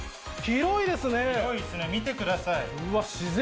広いですね見てください